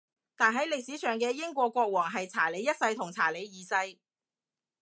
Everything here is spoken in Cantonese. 但係歷史上嘅英國國王係查理一世同查理二世